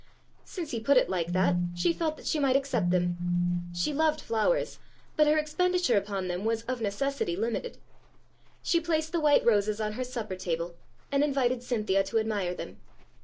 Since he put it like that she felt that she might accept them. She loved flowers, but her expendi ture upon them was of necessity limited. She placed the white roses on her supper table, and invited Cynthia to admire them.